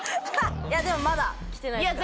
いやでもまだきてないですから。